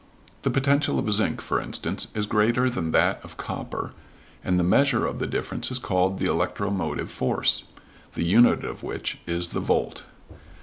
The potential of zinc, for instance, is greater than that of copper, and the measure of the difference is called the "electromotive force," the unit of which is the "volt."